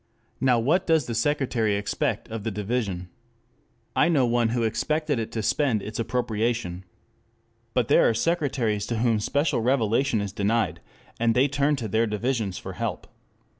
Now what does the Secretary expect of the Division? I know one who expected it to spend its appropriation. But there are Secretaries to whom special revelation is denied, and they turn to their divisions for help.